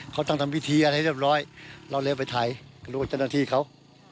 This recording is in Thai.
เขาต้องทำวิทยาให้เรียบร้อยเราเรียกไปถ่ายก็รู้ว่าเจ้าหน้าที่เขา